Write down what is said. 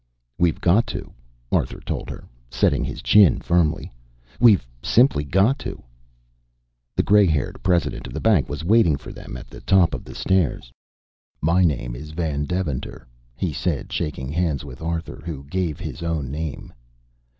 "We've got to!" Arthur told her, setting his chin firmly. "We've simply got to." The gray haired president of the bank was waiting for them at the top of the stairs. "My name is Van Deventer," he said, shaking hands with Arthur, who gave his own name.